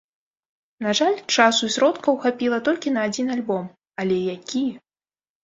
На жаль, часу і сродкаў хапіла толькі на адзін альбом, але які!